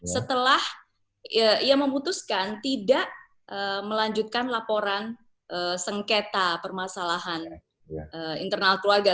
setelah ia memutuskan tidak melanjutkan laporan sengketa permasalahan internal keluarga